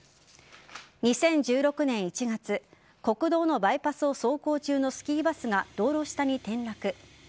２０１６年１月国道のバイパスを走行中のスキーバスが、道路下に転落。